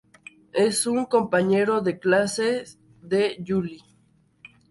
Es un compañero de clases de Juli.